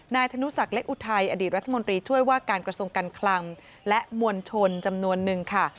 ธนุสักเล็กอุทัยอดีตรัฐมนตรีช่วยว่าการกระทรวงการคลังและมวลชนจำนวนนึงค่ะ